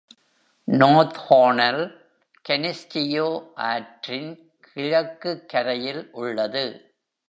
North Hornell, Canisteo ஆற்றின் கிழக்குக் கரையில் உள்ளது.